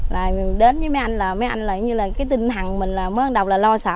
là đến với mấy anh là mấy anh là như là cái tinh thần mình là mới đầu là lo sợ